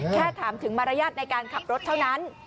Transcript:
แค่ถามถึงมารยาทในการขับรถเท่านั้น